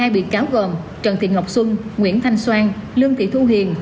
một mươi hai bị cáo gồm trần thị ngọc xuân nguyễn thanh soan lương thị thu hiền